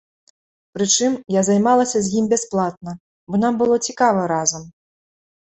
Прычым, я займалася з ім бясплатна, бо нам было цікава разам.